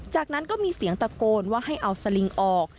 จากนั้นก็มีเสียงตะโกนว่าให้เอาสลิงออก